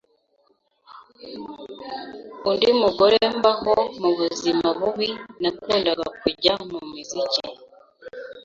undi mugore mbaho mu buzima bubi nakundaga kujya mu miziki